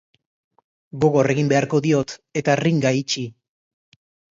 Gogor egin beharko diot, eta ringa itxi.